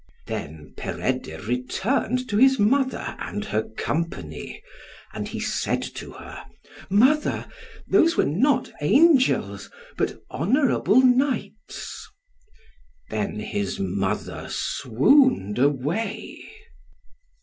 Then Peredur returned to his mother and her company, and he said to her, "Mother, those were not angels, but honourable knights." Then his mother swooned away.